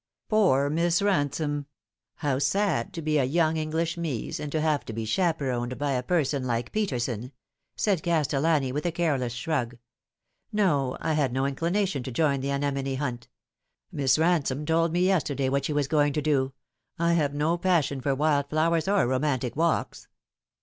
" Poor Miss Bansome ! How sad to be a young English 218 The Fatal Three. Mees, and to have to be chaperoned by a person like Peterson ;" said Castellani, with a careless shrug. " No, I had no inclination to join in the anemone hunt. Miss Ransome told me yesterday what she was going to do. I have no passion for wild flowers or romantic walks."